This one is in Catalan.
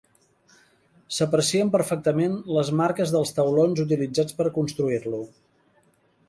S'aprecien perfectament les marques dels taulons utilitzats per construir-lo.